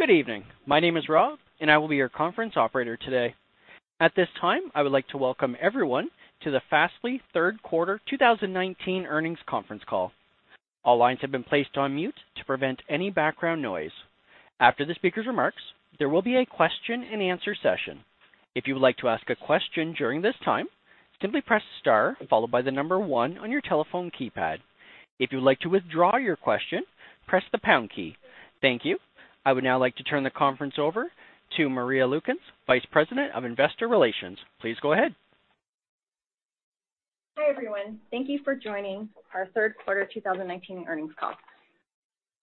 Good evening. My name is Rob, and I will be your conference operator today. At this time, I would like to welcome everyone to the Fastly third quarter 2019 earnings conference call. All lines have been placed on mute to prevent any background noise. After the speaker's remarks, there will be a question and answer session. If you would like to ask a question during this time, simply press star followed by the number 1 on your telephone keypad. If you would like to withdraw your question, press the pound key. Thank you. I would now like to turn the conference over to Maria Lukens, Vice President of Investor Relations. Please go ahead. Hi, everyone. Thank you for joining our third quarter 2019 earnings call.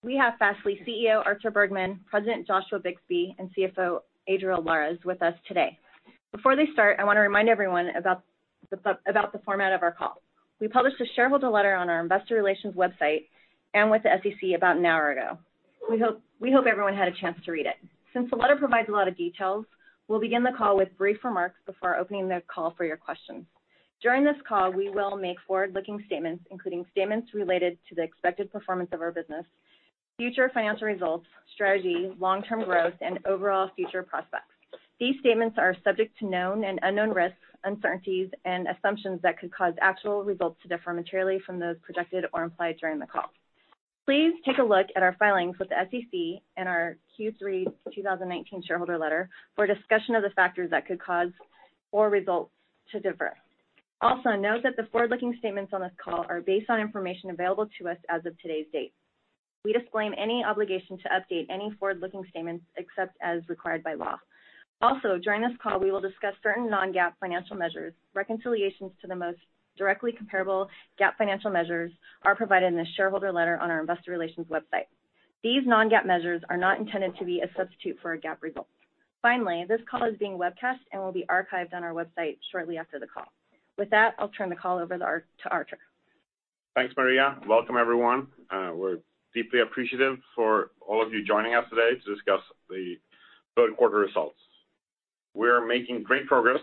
We have Fastly CEO, Artur Bergman, President Joshua Bixby, and CFO Adriel Lares with us today. Before they start, I want to remind everyone about the format of our call. We published a shareholder letter on our investor relations website and with the SEC about an hour ago. We hope everyone had a chance to read it. Since the letter provides a lot of details, we'll begin the call with brief remarks before opening the call for your questions. During this call, we will make forward-looking statements, including statements related to the expected performance of our business, future financial results, strategy, long-term growth, and overall future prospects. These statements are subject to known and unknown risks, uncertainties, and assumptions that could cause actual results to differ materially from those projected or implied during the call. Please take a look at our filings with the SEC and our Q3 2019 shareholder letter for a discussion of the factors that could cause poor results to differ. Note that the forward-looking statements on this call are based on information available to us as of today's date. We disclaim any obligation to update any forward-looking statements except as required by law. During this call, we will discuss certain non-GAAP financial measures. Reconciliations to the most directly comparable GAAP financial measures are provided in the shareholder letter on our investor relations website. These non-GAAP measures are not intended to be a substitute for our GAAP results. This call is being webcast and will be archived on our website shortly after the call. With that, I'll turn the call over to Artur. Thanks, Maria. Welcome, everyone. We're deeply appreciative for all of you joining us today to discuss the 3rd quarter results. We're making great progress.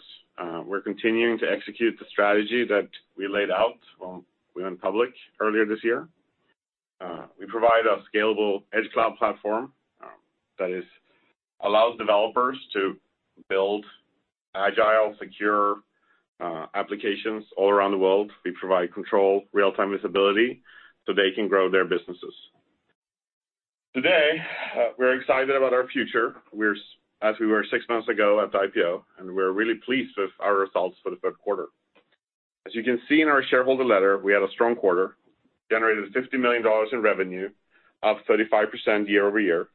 We're continuing to execute the strategy that we laid out when we went public earlier this year. We provide a scalable edge cloud platform that allows developers to build agile, secure applications all around the world. We provide control, real-time visibility so they can grow their businesses. Today, we're excited about our future as we were 6 months ago at the IPO, and we're really pleased with our results for the 3rd quarter. As you can see in our shareholder letter, we had a strong quarter, generated $50 million in revenue, up 35% year-over-year.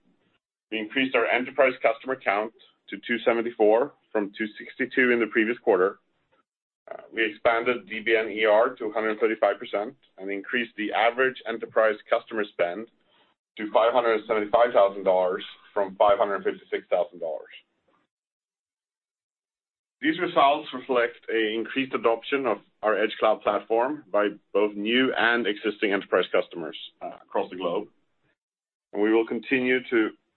We increased our enterprise customer count to 274 from 262 in the previous quarter. We expanded DBNER to 135% and increased the average enterprise customer spend to $575,000 from $556,000. These results reflect an increased adoption of our edge cloud platform by both new and existing enterprise customers across the globe.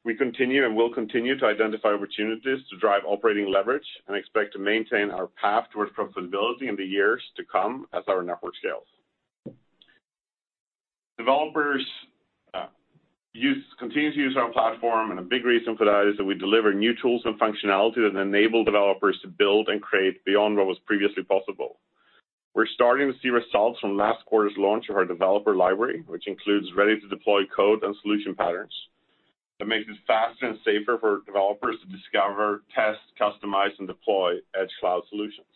We continue and will continue to identify opportunities to drive operating leverage and expect to maintain our path towards profitability in the years to come as our network scales. Developers continue to use our platform, and a big reason for that is that we deliver new tools and functionality that enable developers to build and create beyond what was previously possible. We're starting to see results from last quarter's launch of our developer library, which includes ready-to-deploy code and solution patterns that makes it faster and safer for developers to discover, test, customize, and deploy edge cloud solutions.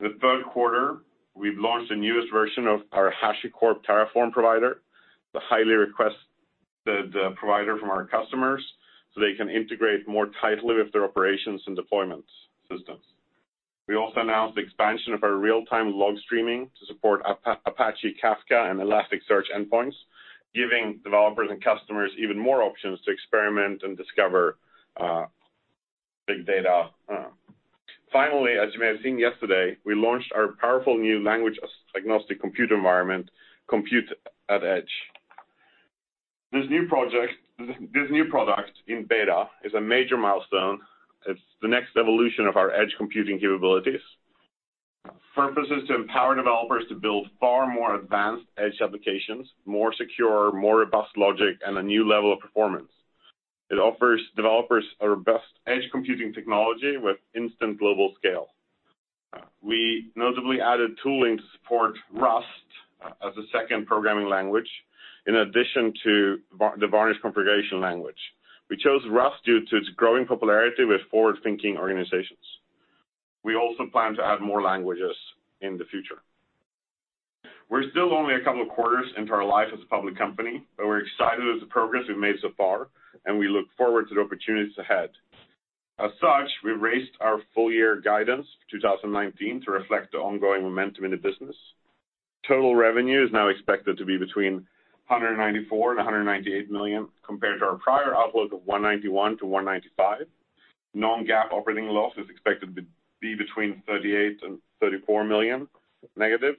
In the third quarter, we've launched the newest version of our HashiCorp Terraform provider, the highly requested provider from our customers, so they can integrate more tightly with their operations and deployment systems. We also announced the expansion of our real-time log streaming to support Apache Kafka and Elasticsearch endpoints, giving developers and customers even more options to experiment and discover big data. Finally, as you may have seen yesterday, we launched our powerful new language agnostic compute environment, Compute@Edge. This new product in beta is a major milestone. It's the next evolution of our edge computing capabilities. Purpose is to empower developers to build far more advanced edge applications, more secure, more robust logic, and a new level of performance. It offers developers our best edge computing technology with instant global scale. We notably added tooling to support Rust as a second programming language, in addition to the Varnish configuration language. We chose Rust due to its growing popularity with forward-thinking organizations. We also plan to add more languages in the future. We're still only a couple of quarters into our life as a public company, but we're excited with the progress we've made so far and we look forward to the opportunities ahead. We raised our full year guidance for 2019 to reflect the ongoing momentum in the business. Total revenue is now expected to be between $194 million and $198 million, compared to our prior outlook of $191 million to $195 million. Non-GAAP operating loss is expected to be between -$38 million and -$34 million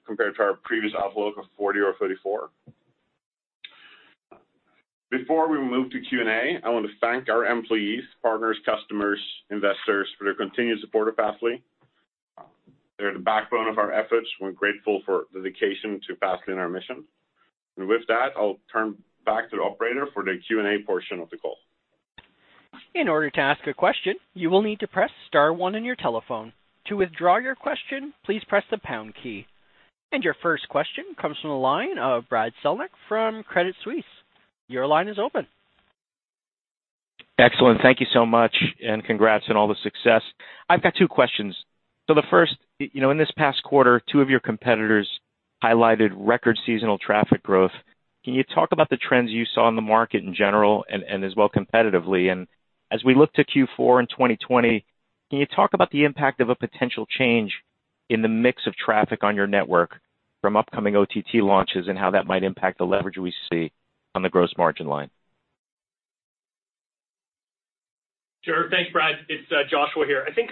compared to our previous outlook of $40 million or $34 million. Before we move to Q&A, I want to thank our employees, partners, customers, investors for their continued support of Fastly. They're the backbone of our efforts. We're grateful for dedication to Fastly and our mission. With that, I'll turn back to the operator for the Q&A portion of the call. In order to ask a question, you will need to press star one on your telephone. To withdraw your question, please press the pound key. Your first question comes from the line of Brad Zelnick from Credit Suisse. Your line is open. Excellent. Thank you so much, and congrats on all the success. I've got two questions. The first, in this past quarter, two of your competitors highlighted record seasonal traffic growth. Can you talk about the trends you saw in the market in general and as well competitively? As we look to Q4 in 2020, can you talk about the impact of a potential change in the mix of traffic on your network from upcoming OTT launches and how that might impact the leverage we see on the gross margin line? Sure. Thanks, Brad. It's Joshua here. I think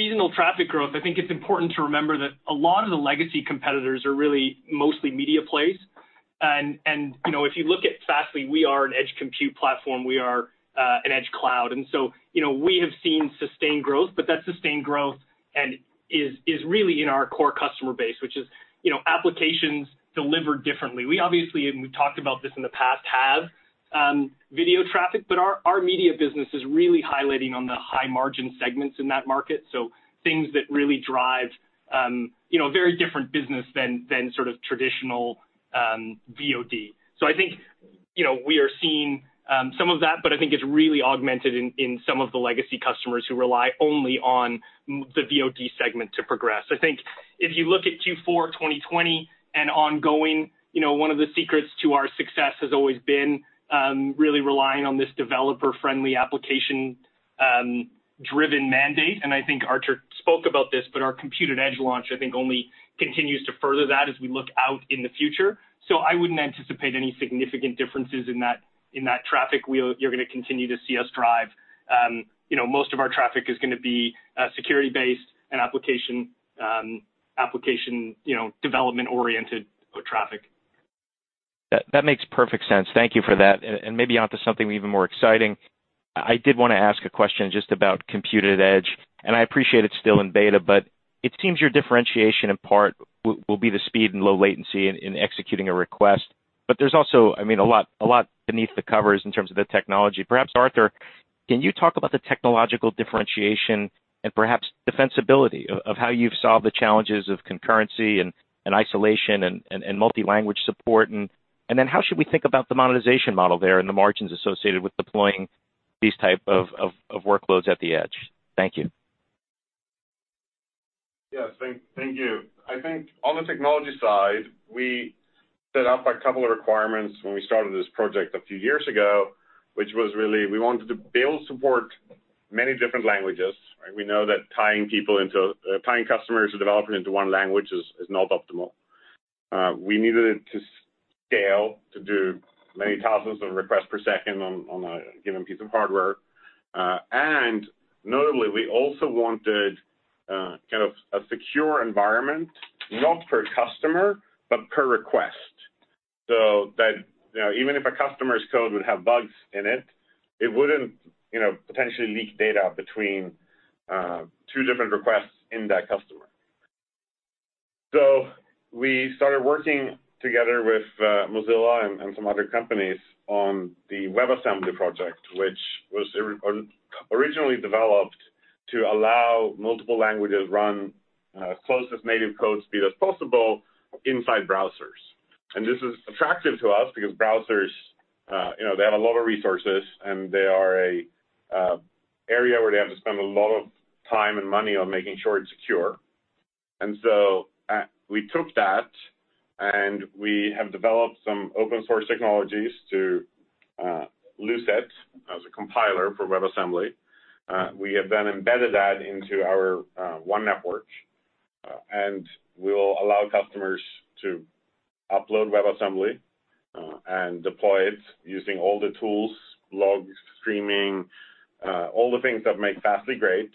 on the seasonal traffic growth, I think it's important to remember that a lot of the legacy competitors are really mostly media plays. If you look at Fastly, we are an edge compute platform. We are an edge cloud. We have seen sustained growth, but that sustained growth is really in our core customer base, which is applications delivered differently. We obviously, and we've talked about this in the past, have video traffic, but our media business is really highlighting on the high margin segments in that market. Things that really drive very different business than sort of traditional VOD. I think we are seeing some of that, but I think it's really augmented in some of the legacy customers who rely only on the VOD segment to progress. I think if you look at Q4 2020 and ongoing, one of the secrets to our success has always been really relying on this developer-friendly application driven mandate. I think Artur spoke about this, but our Compute@Edge launch, I think, only continues to further that as we look out in the future. I wouldn't anticipate any significant differences in that traffic. You're going to continue to see us drive. Most of our traffic is going to be security-based and application development-oriented traffic. That makes perfect sense. Thank you for that. Maybe onto something even more exciting. I did want to ask a question just about Compute@Edge, and I appreciate it's still in beta, but it seems your differentiation in part will be the speed and low latency in executing a request. There's also a lot beneath the covers in terms of the technology. Perhaps, Artur, can you talk about the technological differentiation and perhaps defensibility of how you've solved the challenges of concurrency and isolation and multi-language support? How should we think about the monetization model there and the margins associated with deploying these type of workloads at the edge? Thank you. Yes. Thank you. I think on the technology side, we set up a couple of requirements when we started this project a few years ago, which was really we wanted to be able to support many different languages, right? We know that tying customers or developers into one language is not optimal. We needed it to scale to do many thousands of requests per second on a given piece of hardware. Notably, we also wanted kind of a secure environment, not per customer, but per request, so that even if a customer's code would have bugs in it wouldn't potentially leak data between two different requests in that customer. We started working together with Mozilla and some other companies on the WebAssembly project, which was originally developed to allow multiple languages run closest native code speed as possible inside browsers. This is attractive to us because browsers they have a lot of resources, and they are an area where they have to spend a lot of time and money on making sure it's secure. We took that, and we have developed some open source technologies to Lucet as a compiler for WebAssembly. We have then embedded that into our One Network, and we will allow customers to upload WebAssembly and deploy it using all the tools, logs, streaming, all the things that make Fastly great.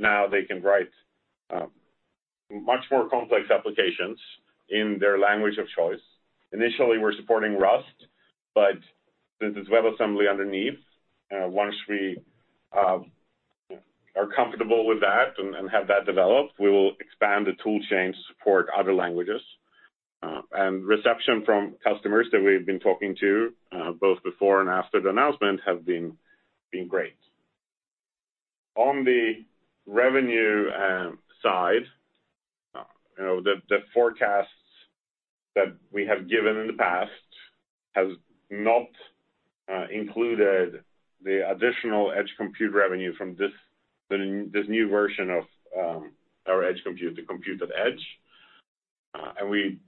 Now they can write much more complex applications in their language of choice. Initially, we're supporting Rust, but since it's WebAssembly underneath, once we are comfortable with that and have that developed, we will expand the tool chain to support other languages. Reception from customers that we've been talking to, both before and after the announcement, have been great. On the revenue side, the forecasts that we have given in the past have not included the additional edge compute revenue from this new version of our edge compute, the Compute@Edge. We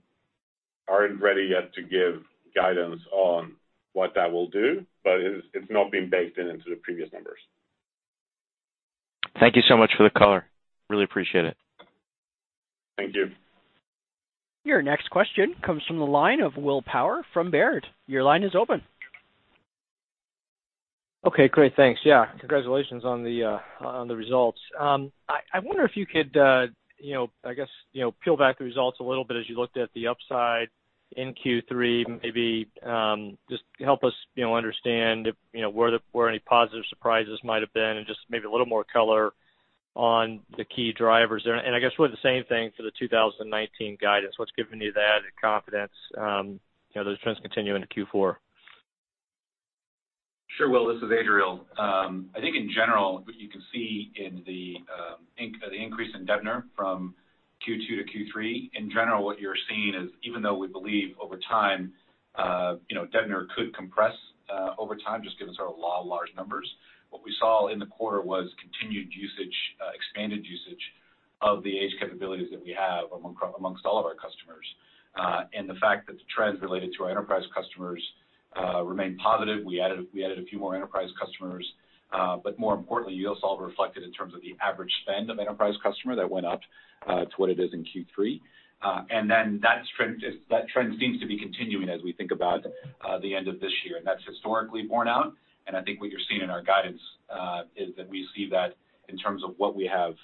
aren't ready yet to give guidance on what that will do, but it's not been baked into the previous numbers. Thank you so much for the color. Really appreciate it. Thank you. Your next question comes from the line of Will Power from Baird. Your line is open. Okay, great. Thanks. Yeah. Congratulations on the results. I wonder if you could, I guess, peel back the results a little bit as you looked at the upside in Q3, maybe just help us understand where any positive surprises might have been and just maybe a little more color on the key drivers there. I guess, really the same thing for the 2019 guidance. What's giving you that confidence those trends continue into Q4? Sure, Will, this is Adriel. I think in general, what you can see in the increase in DBNER from Q2 to Q3, in general, what you're seeing is, even though we believe over time DBNER could compress over time, just given sort of law of large numbers, what we saw in the quarter was continued usage, expanded usage of the edge capabilities that we have amongst all of our customers. The fact that the trends related to our enterprise customers remain positive. We added a few more enterprise customers, more importantly, you'll also have reflected in terms of the average spend of enterprise customer that went up to what it is in Q3. That trend seems to be continuing as we think about the end of this year. That's historically borne out, and I think what you're seeing in our guidance, is that we see that in terms of what we have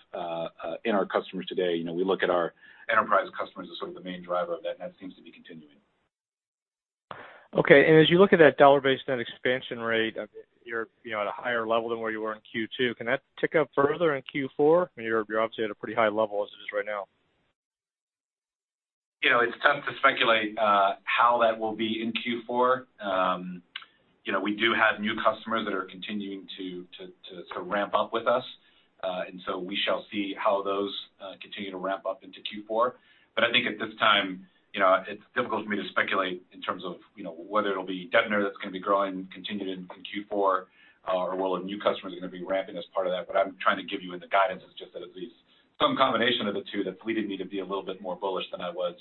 in our customers today. We look at our enterprise customers as sort of the main driver of that, and that seems to be continuing. Okay. As you look at that Dollar-Based Net Expansion Rate, you're at a higher level than where you were in Q2. Can that tick up further in Q4? You're obviously at a pretty high level as it is right now. It's tough to speculate how that will be in Q4. We do have new customers that are continuing to ramp up with us. We shall see how those continue to ramp up into Q4. I think at this time, it's difficult for me to speculate in terms of whether it'll be DBNER that's going to be growing continued in Q4, or whether new customers are going to be ramping as part of that. I'm trying to give you in the guidance is just that at least some combination of the two that pleaded me to be a little bit more bullish than I was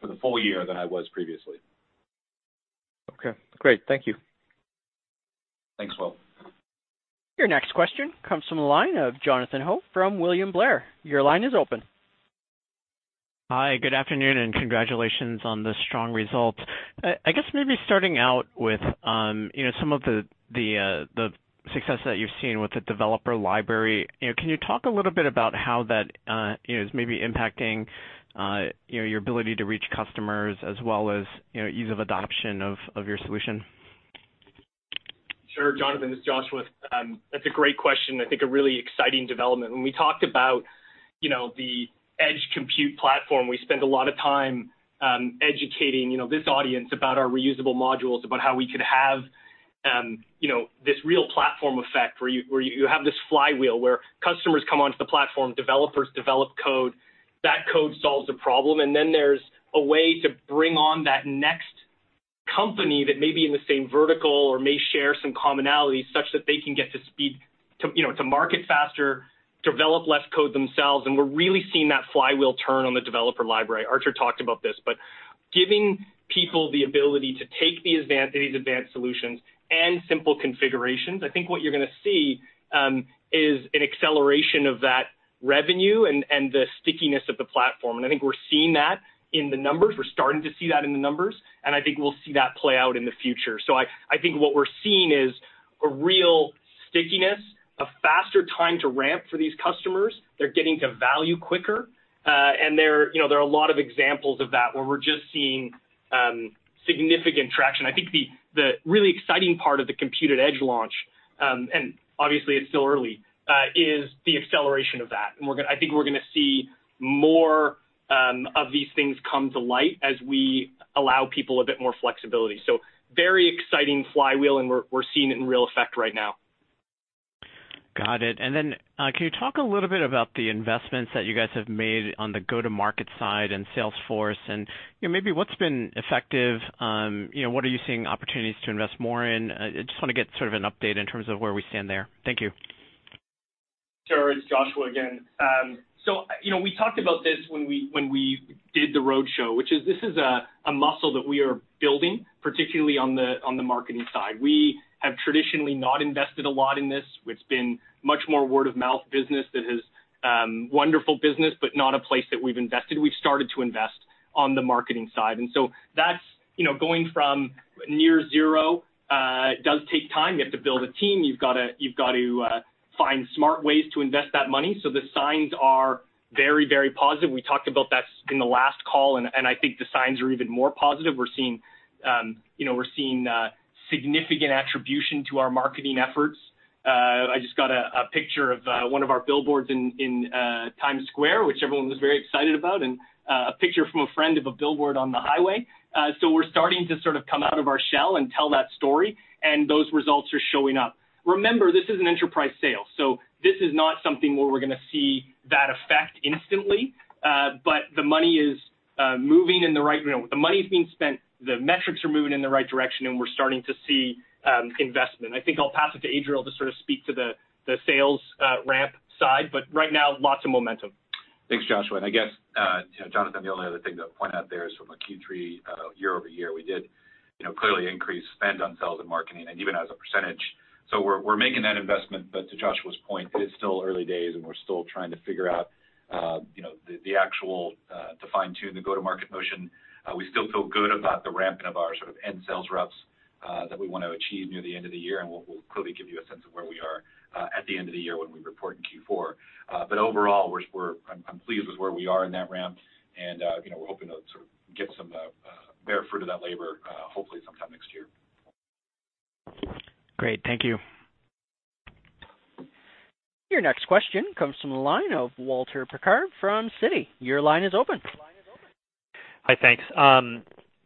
for the full year than I was previously. Okay, great. Thank you. Thanks, Will. Your next question comes from the line of Jonathan Ho from William Blair. Your line is open. Hi, good afternoon. Congratulations on the strong results. I guess maybe starting out with some of the success that you've seen with the developer library. Can you talk a little bit about how that is maybe impacting your ability to reach customers as well as ease of adoption of your solution? Sure, Jonathan, this is Joshua. That's a great question, I think a really exciting development. When we talked about the Edge Compute Platform, we spent a lot of time educating this audience about our reusable modules, about how we could have this real platform effect where you have this flywheel where customers come onto the platform, developers develop code, that code solves a problem, and then there's a way to bring on that next company that may be in the same vertical or may share some commonalities such that they can get to market faster, develop less code themselves, and we're really seeing that flywheel turn on the developer library. Artur talked about this. Giving people the ability to take these advanced solutions and simple configurations, I think what you're going to see is an acceleration of that revenue and the stickiness of the platform. I think we're seeing that in the numbers. We're starting to see that in the numbers, and I think we'll see that play out in the future. I think what we're seeing is a real stickiness, a faster time to ramp for these customers. They're getting to value quicker. There are a lot of examples of that where we're just seeing significant traction. I think the really exciting part of the Compute@Edge launch, and obviously it's still early, is the acceleration of that. I think we're going to see more of these things come to light as we allow people a bit more flexibility. Very exciting flywheel, and we're seeing it in real effect right now. Got it. Can you talk a little bit about the investments that you guys have made on the go-to-market side and Salesforce, and maybe what's been effective? What are you seeing opportunities to invest more in? I just want to get sort of an update in terms of where we stand there. Thank you. Sure. It's Joshua again. We talked about this when we did the roadshow, which this is a muscle that we are building, particularly on the marketing side. We have traditionally not invested a lot in this. It's been much more word-of-mouth business that is wonderful business, but not a place that we've invested. We've started to invest on the marketing side. That's going from near zero, it does take time. You have to build a team. You've got to find smart ways to invest that money. The signs are very, very positive. We talked about that in the last call, and I think the signs are even more positive. We're seeing significant attribution to our marketing efforts. I just got a picture of one of our billboards in Times Square, which everyone was very excited about, and a picture from a friend of a billboard on the highway. We're starting to sort of come out of our shell and tell that story, and those results are showing up. Remember, this is an enterprise sale, this is not something where we're going to see that effect instantly. The money's being spent, the metrics are moving in the right direction, and we're starting to see investment. I think I'll pass it to Adriel to sort of speak to the sales ramp side, right now, lots of momentum. Thanks, Joshua, I guess, Jonathan, the only other thing to point out there is from a Q3 year-over-year, we did clearly increase spend on sales and marketing and even as a percentage. We're making that investment, but to Joshua's point, it is still early days, and we're still trying to figure out the actual to fine-tune the go-to-market motion. We still feel good about the ramping of our sort of end sales reps that we want to achieve near the end of the year, and we'll clearly give you a sense of where we are at the end of the year when we report in Q4. Overall, I'm pleased with where we are in that ramp and we're hoping to sort of get some bear fruit of that labor hopefully sometime next year. Great. Thank you. Your next question comes from the line of Walter Pritchard from Citi. Your line is open. Hi. Thanks.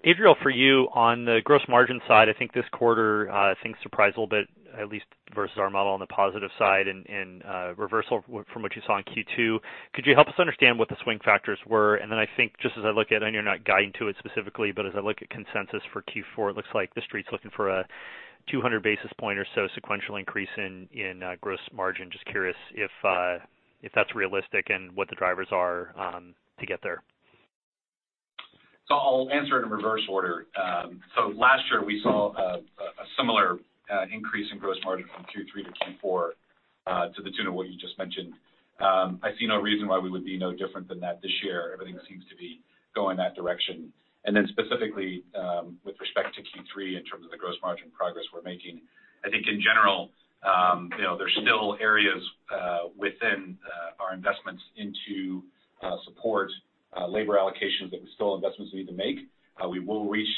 Adriel Lares, for you, on the gross margin side, I think this quarter, things surprised a little bit, at least versus our model on the positive side and reversal from what you saw in Q2. Could you help us understand what the swing factors were? I think just as I look at, I know you're not guiding to it specifically, but as I look at consensus for Q4, it looks like the street's looking for a 200 basis points or so sequential increase in gross margin. Just curious if that's realistic and what the drivers are to get there. I'll answer in reverse order. Last year we saw a similar increase in gross margin from Q3 to Q4, to the tune of what you just mentioned. I see no reason why we would be no different than that this year. Everything seems to be going that direction. Specifically, with respect to Q3, in terms of the gross margin progress we're making, I think in general there's still areas within our investments into support, labor allocations that were still investments we need to make. We will reach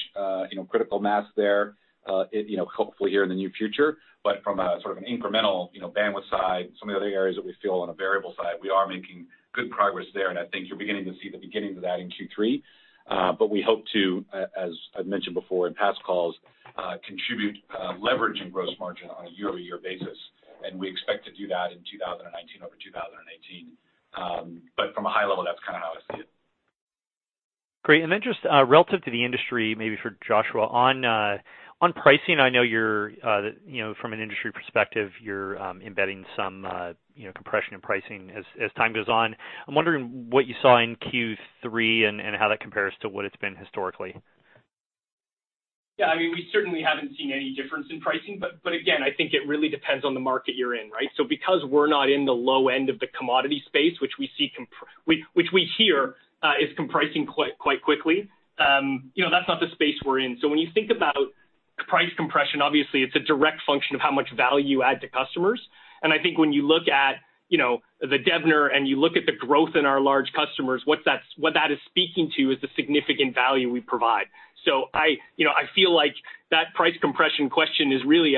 critical mass there, hopefully here in the near future. From a sort of an incremental bandwidth side, some of the other areas that we feel on a variable side, we are making good progress there, and I think you're beginning to see the beginning of that in Q3. We hope to, as I've mentioned before in past calls, contribute leverage in gross margin on a year-over-year basis, and we expect to do that in 2019 over 2018. From a high level, that's kind of how I see it. Great. Just relative to the industry, maybe for Joshua, on pricing, I know from an industry perspective you're embedding some compression in pricing as time goes on. I'm wondering what you saw in Q3 and how that compares to what it's been historically. Yeah, we certainly haven't seen any difference in pricing. Again, I think it really depends on the market you're in, right? Because we're not in the low end of the commodity space, which we hear is comprising quite quickly, that's not the space we're in. When you think about price compression, obviously it's a direct function of how much value you add to customers. I think when you look at the DBNER and you look at the growth in our large customers, what that is speaking to is the significant value we provide. I feel like that price compression question is really,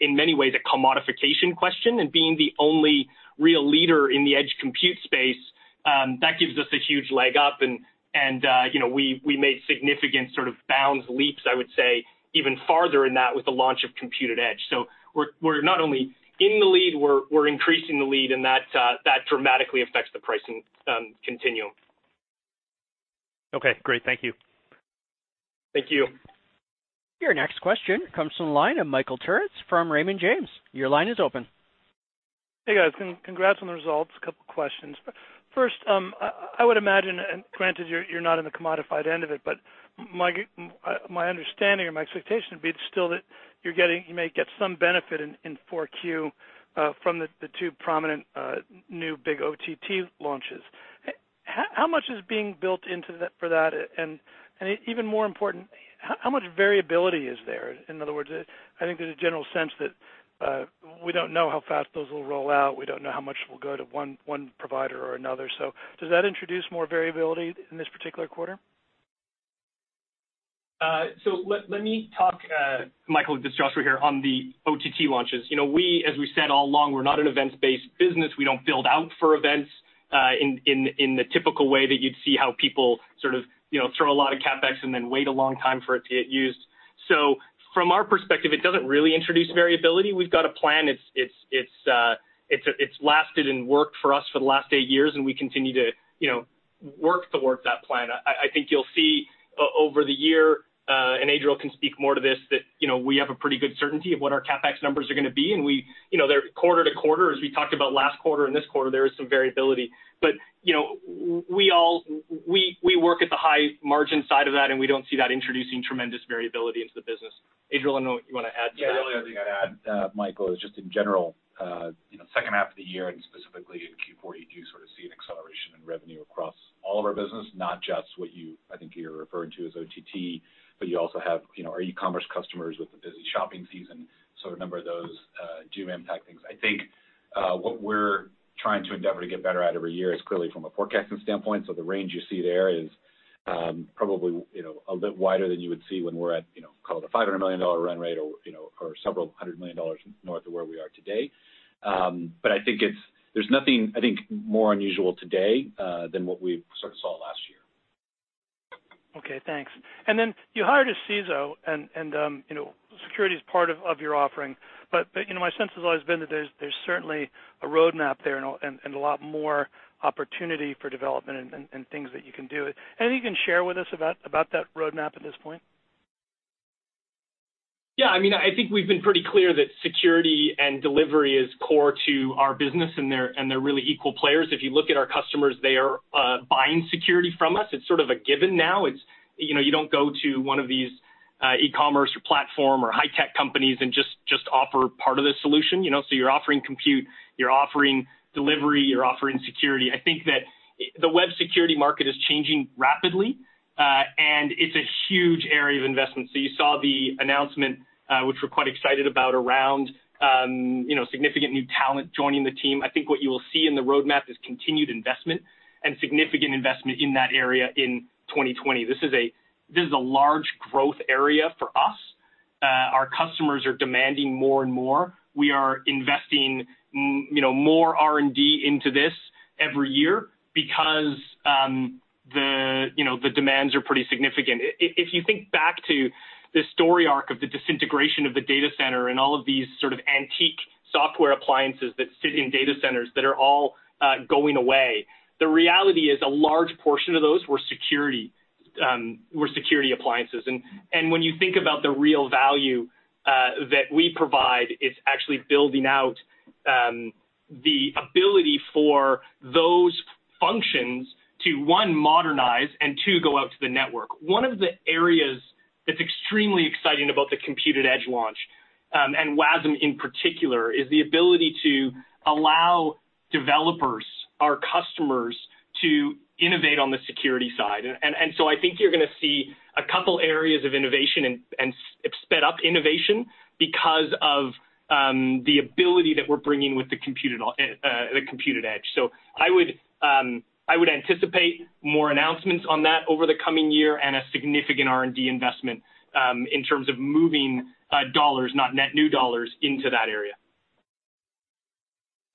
in many ways, a commodification question. Being the only real leader in the edge compute space, that gives us a huge leg up. We made significant sort of bounds leaps, I would say, even farther in that with the launch of Compute@Edge. We're not only in the lead, we're increasing the lead, and that dramatically affects the pricing continuum. Okay, great. Thank you. Thank you. Your next question comes from the line of Michael Turits from Raymond James. Your line is open. Hey, guys. Congrats on the results. A couple questions. I would imagine, and granted, you're not in the commodified end of it, but my understanding or my expectation would be still that you may get some benefit in 4Q from the two prominent, new big OTT launches. How much is being built into for that? Even more important, how much variability is there? In other words, I think there's a general sense that we don't know how fast those will roll out. We don't know how much will go to one provider or another. Does that introduce more variability in this particular quarter? Let me talk, Michael, this is Joshua here, on the OTT launches. As we said all along, we're not an events-based business. We don't build out for events, in the typical way that you'd see how people sort of throw a lot of CapEx and then wait a long time for it to get used. From our perspective, it doesn't really introduce variability. We've got a plan. It's lasted and worked for us for the last eight years, and we continue to work towards that plan. I think you'll see over the year, and Adriel can speak more to this, that we have a pretty good certainty of what our CapEx numbers are going to be. They're quarter to quarter, as we talked about last quarter and this quarter, there is some variability. We work at the high margin side of that, and we don't see that introducing tremendous variability into the business. Adriel, I don't know if you want to add to that. Yeah. The only other thing I'd add, Michael, is just in general, second half of the year and specifically in Q4, you do sort of see an acceleration in revenue across all of our business, not just what you, I think you're referring to as OTT, but you also have our e-commerce customers with the busy shopping season. A number of those do impact things. I think, what we're trying to endeavor to get better at every year is clearly from a forecasting standpoint. The range you see there is probably a bit wider than you would see when we're at, call it a $500 million run rate or several hundred million dollars north of where we are today. I think there's nothing, I think, more unusual today, than what we sort of saw last year. Okay, thanks. You hired a CISO and security is part of your offering. My sense has always been that there's certainly a roadmap there and a lot more opportunity for development and things that you can do. Anything you can share with us about that roadmap at this point? Yeah. I think we've been pretty clear that security and delivery is core to our business, and they're really equal players. If you look at our customers, they are buying security from us. It's sort of a given now. You don't go to one of these e-commerce or platform or high-tech companies and just offer part of the solution you're offering compute, you're offering delivery, you're offering security. I think that the web security market is changing rapidly, and it's a huge area of investment. You saw the announcement, which we're quite excited about, around significant new talent joining the team. I think what you will see in the roadmap is continued investment and significant investment in that area in 2020. This is a large growth area for us. Our customers are demanding more and more. We are investing more R&D into this every year because the demands are pretty significant. If you think back to the story arc of the disintegration of the data center and all of these sort of antique software appliances that sit in data centers that are all going away, the reality is a large portion of those were security appliances. When you think about the real value that we provide, it's actually building out the ability for those functions to, one, modernize, and two, go out to the network. One of the areas that's extremely exciting about the Compute@Edge launch, and Wasm in particular, is the ability to allow developers, our customers, to innovate on the security side. I think you're going to see a couple areas of innovation and sped-up innovation because of the ability that we're bringing with the Compute@Edge. I would anticipate more announcements on that over the coming year and a significant R&D investment in terms of moving dollars, not net new dollars, into that area.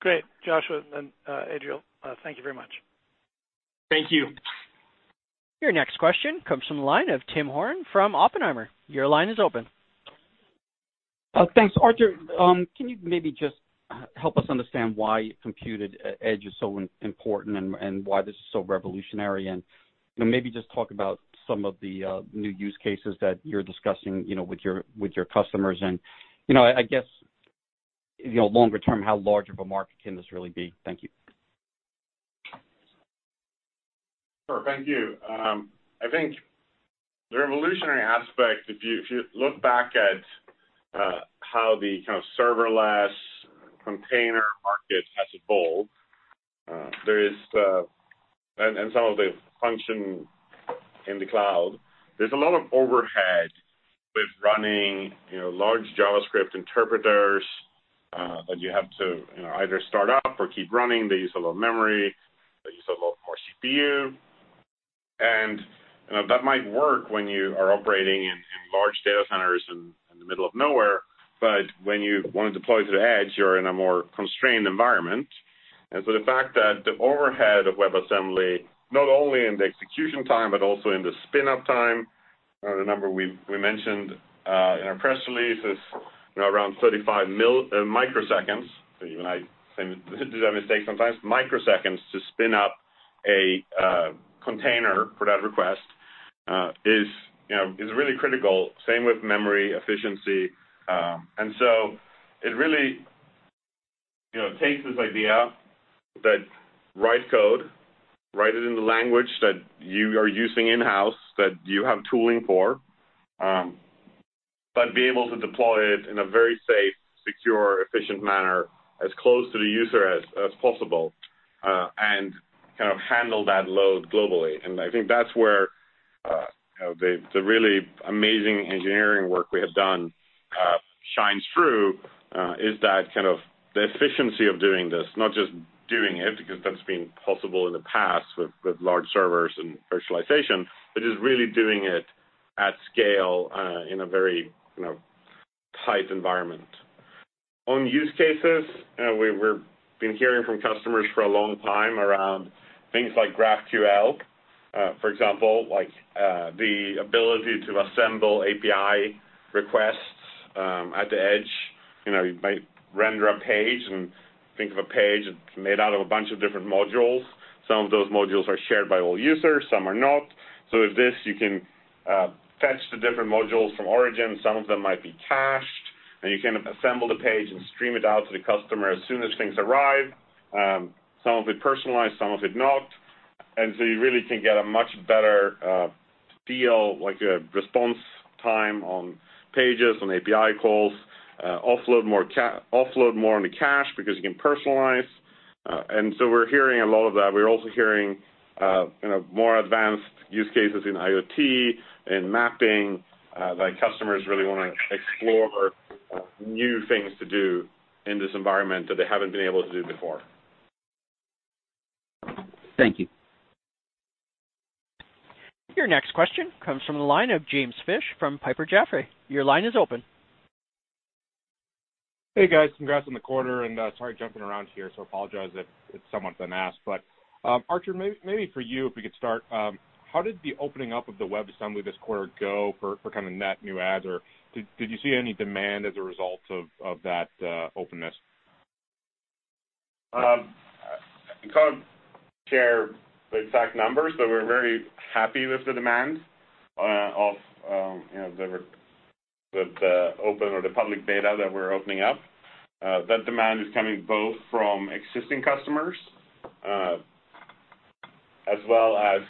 Great, Joshua and Adriel. Thank you very much. Thank you. Your next question comes from the line of Tim Horan from Oppenheimer. Your line is open. Thanks. Artur, can you maybe just help us understand why Compute@Edge is so important and why this is so revolutionary? Maybe just talk about some of the new use cases that you're discussing with your customers and, I guess, longer term, how large of a market can this really be? Thank you. Sure. Thank you. I think the revolutionary aspect, if you look back at how the kind of serverless container market as a whole, and some of the function in the cloud, there's a lot of overhead with running large JavaScript interpreters that you have to either start up or keep running. They use a lot of memory. They use a lot more CPU. That might work when you are operating in large data centers in the middle of nowhere. When you want to deploy to the edge, you're in a more constrained environment. The fact that the overhead of WebAssembly, not only in the execution time but also in the spin-up time, the number we mentioned in our press release is around 35 microseconds. Even I do that mistake sometimes. Microseconds to spin up a container for that request is really critical. Same with memory efficiency. It really takes this idea that write code, write it in the language that you are using in-house, that you have tooling for, but be able to deploy it in a very safe, secure, efficient manner as close to the user as possible and kind of handle that load globally. I think that's where the really amazing engineering work we have done shines through, is that kind of the efficiency of doing this. Not just doing it, because that's been possible in the past with large servers and virtualization, but just really doing it at scale in a very tight environment. On use cases, we've been hearing from customers for a long time around things like GraphQL. For example, like the ability to assemble API requests at the edge. You might render a page and think of a page that's made out of a bunch of different modules. Some of those modules are shared by all users, some are not. With this, you can fetch the different modules from origin. Some of them might be cached, and you can assemble the page and stream it out to the customer as soon as things arrive. Some of it personalized, some of it not. You really can get a much better feel, like a response time on pages, on API calls, offload more on the cache because you can personalize. We're hearing a lot of that. We're also hearing more advanced use cases in IoT and mapping that customers really want to explore new things to do in this environment that they haven't been able to do before. Thank you. Your next question comes from the line of James Fish from Piper Jaffray. Your line is open. Hey, guys. Congrats on the quarter. Sorry, jumping around here, so apologize if it's somewhat been asked. Artur, maybe for you, if we could start. How did the opening up of the WebAssembly this quarter go for kind of net new ads? Or did you see any demand as a result of that openness? I can't share the exact numbers, but we're very happy with the demand of the open or the public beta that we're opening up. That demand is coming both from existing customers as well as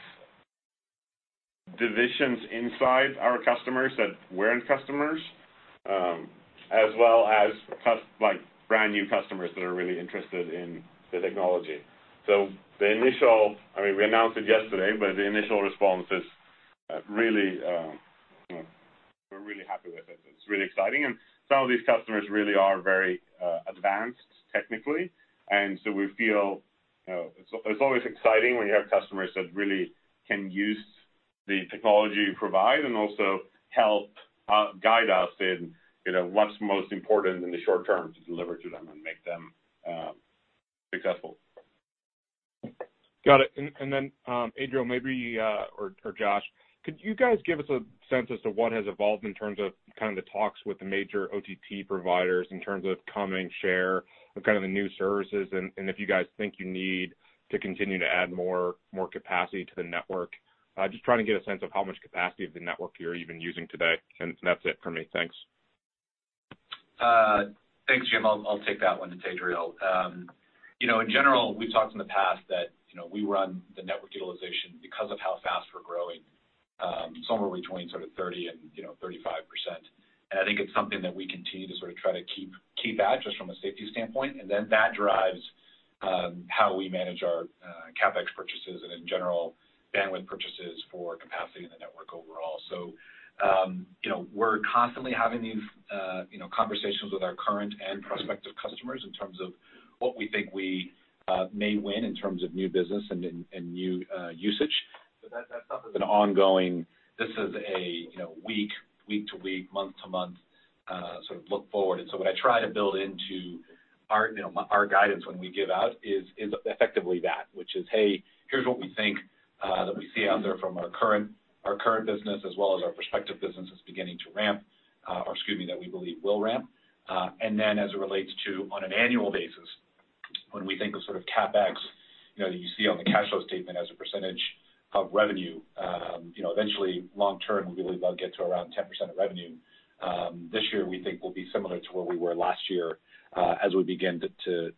divisions inside our customers that weren't customers, as well as brand new customers that are really interested in the technology. The initial, we announced it yesterday, but the initial response is we're really happy with it. It's really exciting. Some of these customers really are very advanced technically, and so we feel it's always exciting when you have customers that really can use the technology you provide and also help guide us in what's most important in the short term to deliver to them and make them successful. Got it. Then, Adriel Lares maybe, or Josh, could you guys give us a sense as to what has evolved in terms of the talks with the major OTT providers in terms of coming share of the new services and if you guys think you need to continue to add more capacity to the network? Just trying to get a sense of how much capacity of the network you're even using today. That's it for me. Thanks. Thanks, Jim. I'll take that one. It's Adriel Lares. I think it's something that we continue to try to keep at just from a safety standpoint. That drives how we manage our CapEx purchases and in general bandwidth purchases for capacity in the network overall. We're constantly having these conversations with our current and prospective customers in terms of what we think we may win in terms of new business and new usage. That stuff is an ongoing, this is a week to week, month to month look forward. What I try to build into our guidance when we give out is effectively that. Which is, hey, here's what we think that we see out there from our current business as well as our prospective business is beginning to ramp, or excuse me, that we believe will ramp. As it relates to on an annual basis, when we think of CapEx, that you see on the cash flow statement as a percentage of revenue. Eventually long term, we believe that'll get to around 10% of revenue. This year we think we'll be similar to where we were last year as we begin to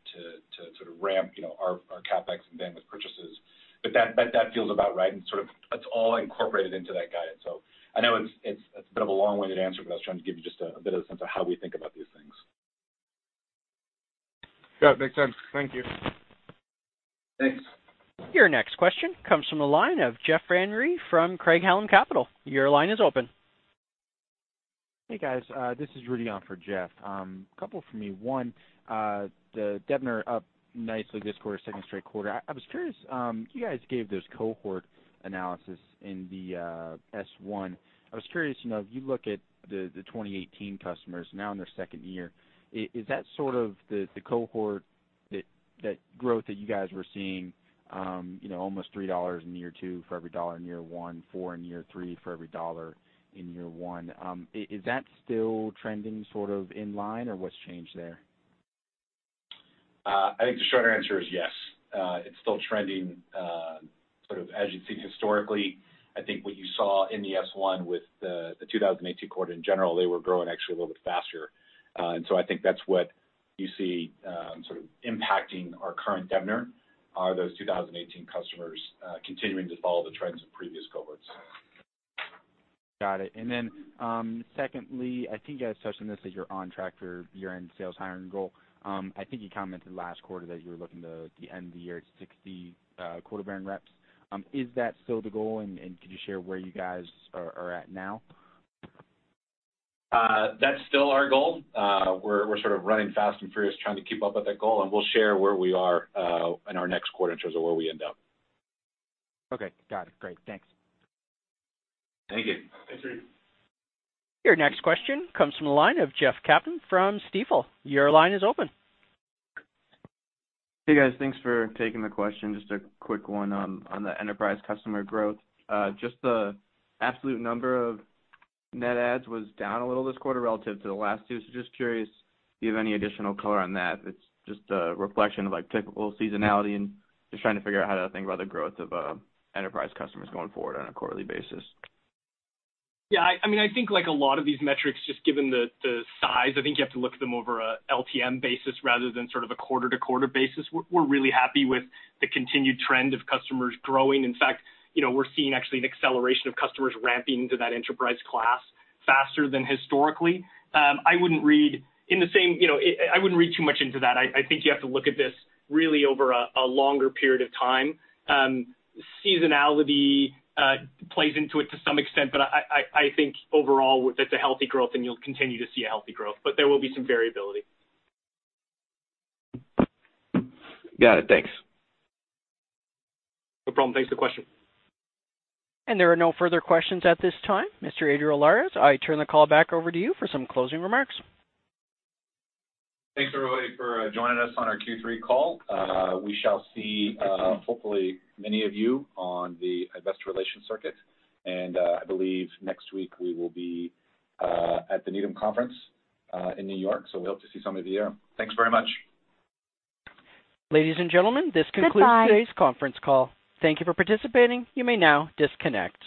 ramp our CapEx and bandwidth purchases. That feels about right and that's all incorporated into that guidance. I know it's a bit of a long-winded answer, but I was trying to give you just a bit of a sense of how we think about these things. Yeah, makes sense. Thank you. Thanks. Your next question comes from the line of Jeff Van Rhee from Craig-Hallum Capital Group. Your line is open. Hey, guys. This is Rudy on for Jeff. Couple for me. One, the DBNER up nicely this quarter, second straight quarter. I was curious, you guys gave this cohort analysis in the S-1. I was curious, if you look at the 2018 customers now in their second year, is that sort of the cohort that growth that you guys were seeing, almost $3 in year two for every dollar in year one, four in year three for every dollar in year one. Is that still trending sort of in line or what's changed there? I think the short answer is yes. It's still trending sort of as you'd seen historically. I think what you saw in the S1 with the 2018 quarter in general, they were growing actually a little bit faster. I think that's what you see sort of impacting our current DBNER are those 2018 customers continuing to follow the trends of previous cohorts. Got it. Secondly, I think you guys touched on this, that you're on track for year-end sales hiring goal. I think you commented last quarter that you were looking to the end of the year at 60 quota-bearing reps. Is that still the goal? Can you share where you guys are at now? That's still our goal. We're sort of running fast and furious trying to keep up with that goal, and we'll share where we are in our next quarter in terms of where we end up. Okay. Got it. Great. Thanks. Thank you. Thanks, Rudy. Your next question comes from the line of Jeff Kaplan from Stifel. Your line is open. Hey, guys. Thanks for taking the question. Just a quick one on the enterprise customer growth. Just the absolute number of net adds was down a little this quarter relative to the last two. Just curious if you have any additional color on that. If it's just a reflection of typical seasonality and just trying to figure out how to think about the growth of enterprise customers going forward on a quarterly basis. Yeah, I think a lot of these metrics, just given the size, I think you have to look at them over a LTM basis rather than sort of a quarter-to-quarter basis. We're really happy with the continued trend of customers growing. In fact, we're seeing actually an acceleration of customers ramping into that enterprise class faster than historically. I wouldn't read too much into that. I think you have to look at this really over a longer period of time. Seasonality plays into it to some extent, but I think overall that's a healthy growth and you'll continue to see a healthy growth, but there will be some variability. Got it. Thanks. No problem. Thanks for the question. There are no further questions at this time. Mr. Adriel Lares, I turn the call back over to you for some closing remarks. Thanks everybody for joining us on our Q3 call. We shall see hopefully many of you on the investor relations circuit. I believe next week we will be at the Needham Conference in New York, so we hope to see some of you there. Thanks very much. Ladies and gentlemen, this concludes. Goodbye today's conference call. Thank you for participating. You may now disconnect.